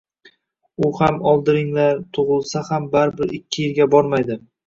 U ham oldiringlar, tugʻulsa ham baribir ikki yilga bormaydi.